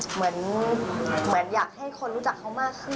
เหมือนอยากให้คนรู้จักเขามากขึ้น